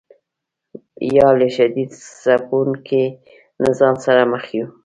یا له شدید ځپونکي نظام سره مخ یو.